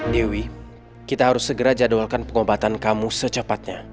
dewi kita harus segera jadwalkan pengobatan kamu secepatnya